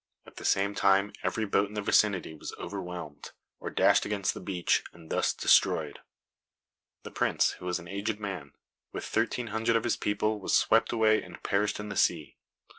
At the same time every boat in the vicinity was overwhelmed, or dashed against the beach, and thus destroyed. The Prince, who was an aged man, with thirteen hundred of his people was swept away and perished in the sea.